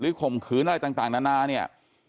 หรือข่มขืนอะไรต่างน้านานี่